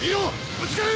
ぶつかる！